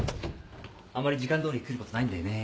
あんまり時間どおり来ることないんだよね。